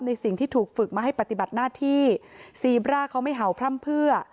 สิ่งที่ถูกฝึกมาให้ปฏิบัติหน้าที่ซีบร่าเขาไม่เห่าพร่ำเพื่อ